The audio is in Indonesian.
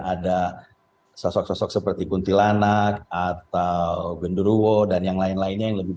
ada sosok sosok seperti kuntilanak atau gendurowo dan yang lain lainnya yang lebih